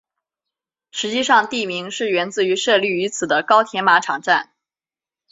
实际上地名是源自于设立于此的高田马场站。